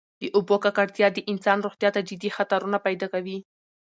د اوبو ککړتیا د انسان روغتیا ته جدي خطرونه پیدا کوي.